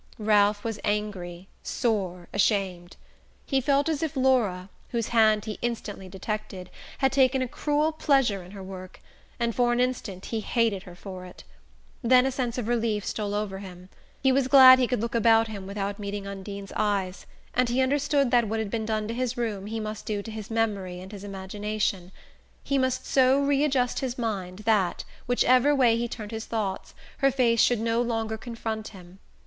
Ralph was angry, sore, ashamed. He felt as if Laura, whose hand he instantly detected, had taken a cruel pleasure in her work, and for an instant he hated her for it. Then a sense of relief stole over him. He was glad he could look about him without meeting Undine's eyes, and he understood that what had been done to his room he must do to his memory and his imagination: he must so readjust his mind that, whichever way he turned his thoughts, her face should no longer confront him.